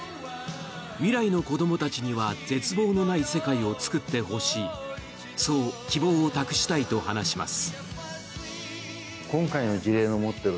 未来の子どもたちには絶望のない世界を作ってほしいそう希望を託したいと話します。